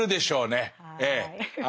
ええ。